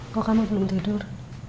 kok kamu belum tidur